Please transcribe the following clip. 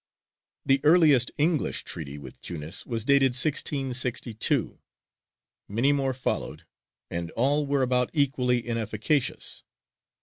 The earliest English treaty with Tunis was dated 1662; many more followed, and all were about equally inefficacious.